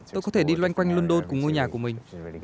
tôi có thể đi loanh quanh london cùng ngôi nhà của mình